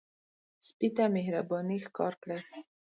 سپي ته مهرباني ښکار کړئ.